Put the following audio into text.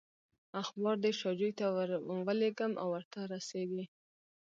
اخبار دې شاجوي ته ورولېږم او ورته رسېږي.